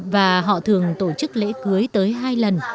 và họ thường tổ chức lễ cưới tới hai lần